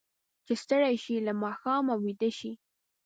چې ستړي شي، له ماښامه ویده شي.